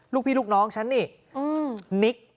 ลูกพี่ลูกน้องฉันนี่นิก